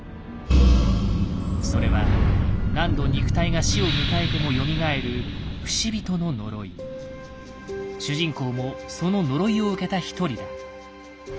それは何度肉体が死を迎えてもよみがえる主人公もその呪いを受けた一人だ。